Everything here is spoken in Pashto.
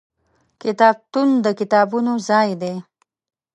کتابتون د کتابونو ځای دی.